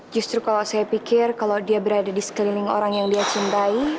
justru kalau saya pikir kalau dia berada di sekeliling orang yang dia cintai